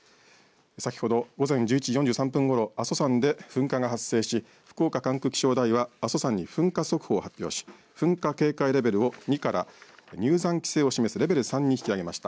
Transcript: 先ほど午前１１時４３分ごろ、阿蘇山で噴火が発生し福岡管区気象台は阿蘇山に噴火速報を発表し噴火警戒レベルを２から入山規制を示すレベル３に引き上げました。